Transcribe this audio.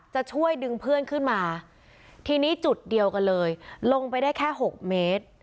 จะช่วยดึงเพื่อนขึ้นมาทีนี้จุดเดียวกันเลยลงไปได้แค่๖เมตร